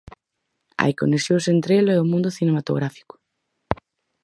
Hai conexións entre ela e o mundo cinematográfico.